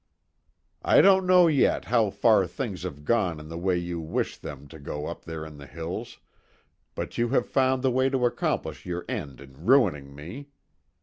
"I don't know yet how far things have gone in the way you wish them to go up there in the hills, but you have found the way to accomplish your end in ruining me.